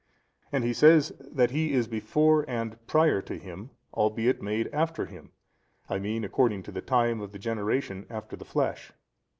And he says that He is before and prior to him, albeit made after him, I mean according to the time of the generation after the flesh.